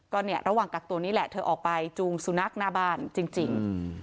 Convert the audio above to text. ก็เนี่ยระหว่างกักตัวนี่แหละเธอออกไปจูงสุนัขหน้าบ้านจริง